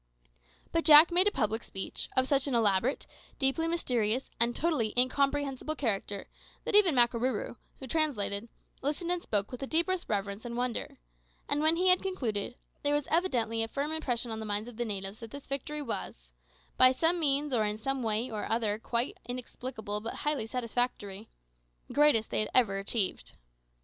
But Jack made a public speech, of such an elaborate, deeply mysterious, and totally incomprehensible character, that even Makarooroo, who translated, listened and spoke with the deepest reverence and wonder; and when he had concluded, there was evidently a firm impression on the minds of the natives that this victory was by some means or in some way or other quite inexplicable but highly satisfactory the greatest they had ever achieved.